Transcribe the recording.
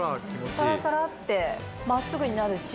サラサラッて真っすぐになるし。